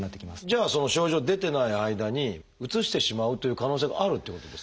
じゃあその症状出てない間にうつしてしまうという可能性があるっていうことですか？